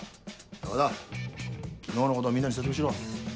山田昨日のことをみんなに説明しろ。